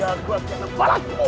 kau harus menerimaku